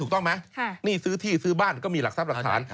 ถูกต้องไหมนี่ซื้อที่ซื้อบ้านก็มีหลักทรัพย์หลักฐาน